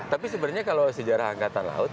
tapi sebenarnya kalau sejarah angkatan laut